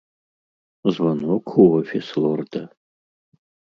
Званок у офіс лорда.